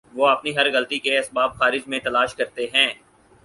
وہ اپنی ہر غلطی کے اسباب خارج میں تلاش کرتے ہیں۔